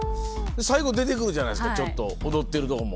最後出てくるじゃないですかちょっと踊ってるとこも。